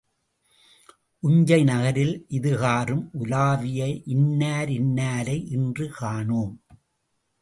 உஞ்சை நகரில் இது காறும் உலாவிய இன்னார் இன்னாரை இன்று காணோம்.